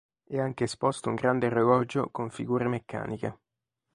È anche esposto un grande orologio con figure meccaniche.